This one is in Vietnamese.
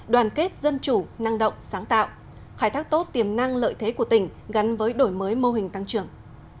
đoàn kết dân chủ năng động sáng tạo khai thác tốt tiềm năng lợi thế của tỉnh gắn với đổi mới mô hình tăng trưởng